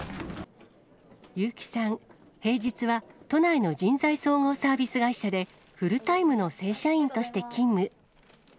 結城さん、平日は都内の人材総合サービス会社で、フルタイムの正社員として勤務。